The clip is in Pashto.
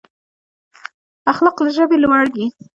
اخلاق له ژبې لوړ دي.